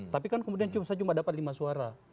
tapi kan kemudian saya cuma dapat lima suara